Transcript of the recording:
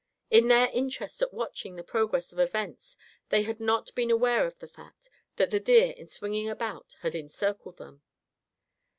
In their interest at watching the progress of events, they had not been aware of the fact that the deer, in swinging about, had encircled them.